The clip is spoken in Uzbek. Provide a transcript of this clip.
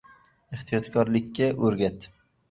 – ehtiyotkorlikka o‘rgat;